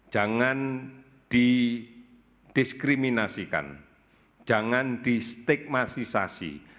jangan didiskriminasikan jangan distigmatisasi